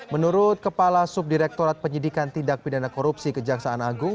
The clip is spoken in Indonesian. menurut kepala subdirektorat penyidikan tindak pidana korupsi kejaksaan agung